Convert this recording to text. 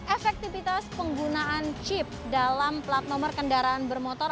efektivitas penggunaan chip dalam plat nomor kendaraan bermotor